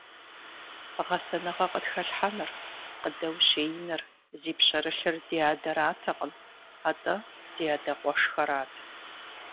Гъэсэныгъэ къытхэлъхьэныр, къыдэущиеныр зи пщэрылъыр ди адэратэкъым, атӀэ ди адэ къуэшхэрат.